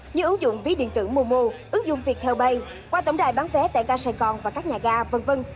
như ứng dụng ví điện tử mô mô ứng dụng việc theo bay qua tổng đài bán vé tại gà sài gòn và các nhà ga v v